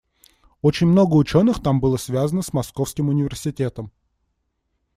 Очень много ученых там было связано с Московским университетом.